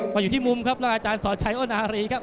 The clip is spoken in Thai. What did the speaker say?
มาอยู่ที่มุมครับแล้วอาจารย์สอดชัยโอนารีครับ